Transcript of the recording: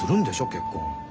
結婚。